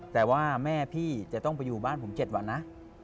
แต่ว่าแม่พี่จะต้องไปอยู่บ้านผม๗วันนะ